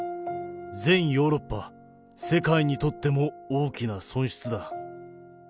全ヨーロッパ、世界にとっても大きな損失だ。